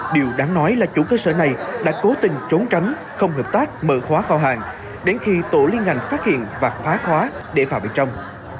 điều đáng nói là chủ cơ sở này đã cố tình trốn tránh không hợp tác mở khóa phao hàng đến khi tổ liên ngành phát hiện và phá khóa để vào bên trong